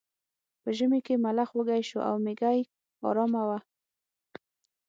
په ژمي کې ملخ وږی شو او میږی ارامه وه.